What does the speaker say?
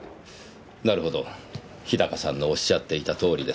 なるほど日高さんのおっしゃっていたとおりです。